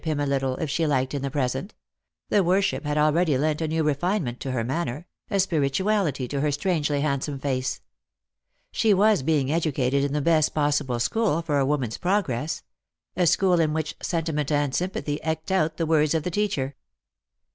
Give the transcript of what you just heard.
77 him a little, if she liked, in the present ; the worship had already lent a new refinement to her manner, a spirituality to her strangely handsome face. She was being educated in the best possible school for a woman's progress — a school in which sentiment and sympathy eked out the words of the teacher.